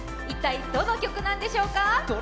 一体、どの曲なんでしょうか。